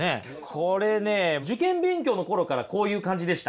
これね受験勉強の頃からこういう感じでした？